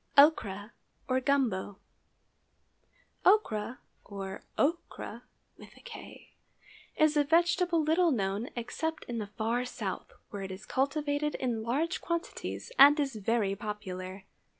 OCHRA, OR GUMBO. Ochra, or okra, is a vegetable little known except in the far South, where it is cultivated in large quantities and is very popular.